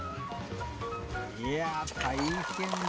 いや大変だな。